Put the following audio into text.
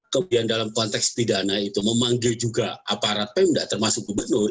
kemudian dalam konteks pidana itu memanggil juga aparat pemda termasuk gubernur